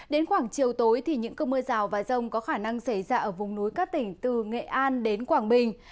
đến khoảng chiều tối thì những cơn mưa rào và rông có khả năng xảy ra ở vùng núi các tỉnh từ nghệ an đến quảng bình